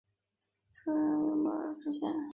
出任江苏南汇县知县。